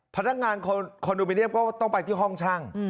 พนักงานคอนโดมิเนียมก็ต้องไปที่ห้องช่าง